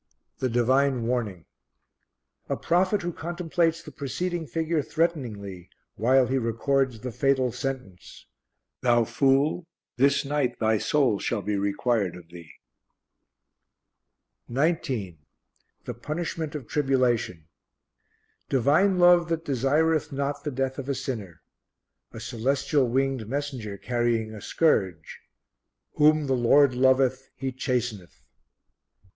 The Divine Warning. A prophet who contemplates the preceding figure threateningly while he records the fatal sentence: "Thou fool; this night thy soul shall be required of thee." 19. The Punishment of Tribulation. Divine Love that desireth not the death of a sinner. A celestial winged messenger carrying a scourge: "Whom the Lord loveth He chasteneth."